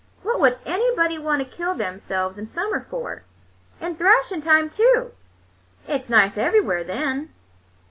"What would anybody want to kill themselves in summer for? In thrashing time, too! It's nice everywhere then."